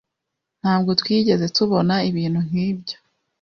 Ntabwo twigeze tubona ibintu nkibyo.